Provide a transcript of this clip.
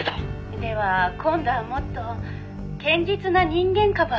「では今度はもっと堅実な人間株はどうです？」